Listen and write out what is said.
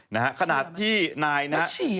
นะฮะขนาดที่นายนะฮะ